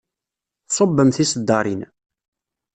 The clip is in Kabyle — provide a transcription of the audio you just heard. Tṣubbem tiseddarin.